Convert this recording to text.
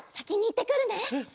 うん。